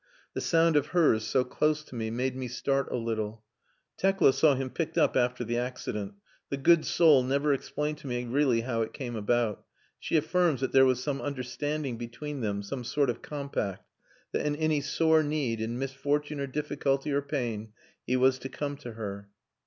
The sound of hers, so close to me, made me start a little. "Tekla saw him picked up after the accident. The good soul never explained to me really how it came about. She affirms that there was some understanding between them some sort of compact that in any sore need, in misfortune, or difficulty, or pain, he was to come to her."